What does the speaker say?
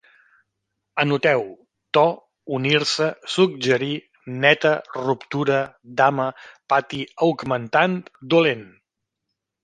Anoteu: to, unir-se, suggerir, neta, ruptura, dama, pati, augmentant, dolent